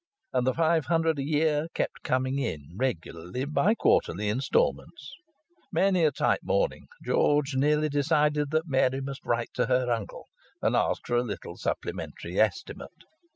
And the five hundred a year kept coming in regularly by quarterly instalments. Many a tight morning George nearly decided that Mary must write to her uncle and ask for a little supplementary estimate.